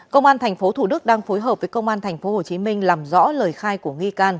công an tp thủ đức đang phối hợp với công an tp hcm làm rõ lời khai của nghi can